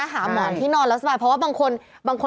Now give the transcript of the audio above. ถูกต้องออกจากมาก